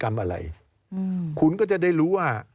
การเลือกตั้งครั้งนี้แน่